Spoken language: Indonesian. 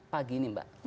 pagi ini mbak